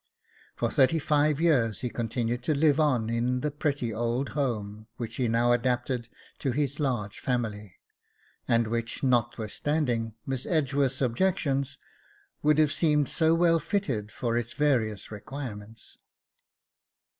For thirty five years he continued to live on in the pretty old home which he now adapted to his large family, and which, notwithstanding Miss Edgeworth's objections, would have seemed so well fitted for its various requirements.